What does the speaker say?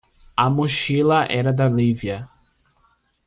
A mochila era da Lívia.